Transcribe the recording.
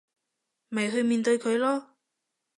咪去面對佢囉